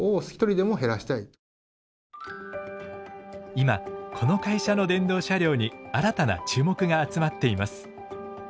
今この会社の電動車両に新たな注目が集まっています。